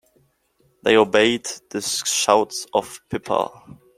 They obeyed the shouts of Pippa.